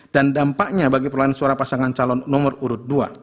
dampaknya bagi perolahan suara pasangan calon nomor urut dua